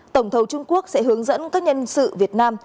tổng thầu trung quốc sẽ hướng dẫn các nhân sự việt nam